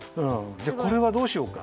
じゃあこれはどうしようか？